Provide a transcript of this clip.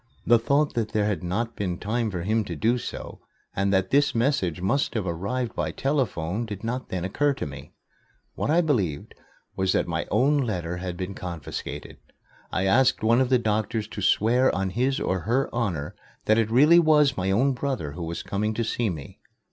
The thought that there had not been time for him to do so and that this message must have arrived by telephone did not then occur to me. What I believed was that my own letter had been confiscated. I asked one of the doctors to swear on his honor that it really was my own brother who was coming to see me.